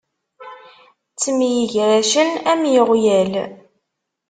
Ttemyegracen am iɣyal.